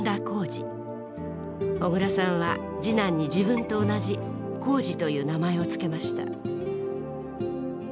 小椋さんは次男に自分と同じ宏司という名前を付けました。